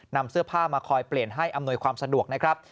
นำเสื้อผ้ามาคอยเปลี่ยนให้อำนวยความสะดวกนะครับ